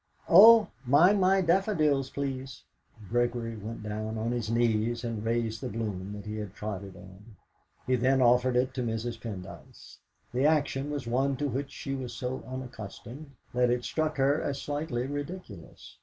"Oh, mind my daffodils, please!" Gregory went down on his knees, and raised the bloom that he had trodden on. He then offered it to Mrs. Pendyce. The action was one to which she was so unaccustomed that it struck her as slightly ridiculous.